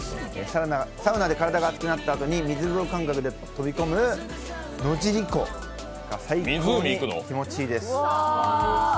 サウナで体が熱くなったあと水風呂感覚で飛び込む野尻湖が最高に気持ちいいです。